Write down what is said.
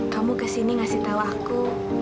kamu kesini ngasih tahu aku